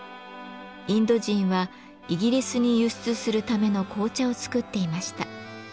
インド人はイギリスに輸出するための紅茶を作っていました。